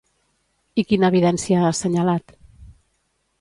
I quina evidència ha assenyalat?